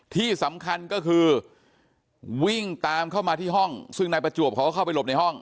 ที่สำคัญก็คือวิ่งตามเข้ามาที่ห้องซึ่งนายประจวบเขาก็เข้าไปหลบในห้อง